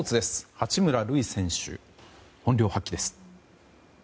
八村塁選手、本領発揮です。